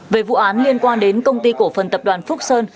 về vụ án liên quan đến công ty cổ phần tập đoàn phúc sơn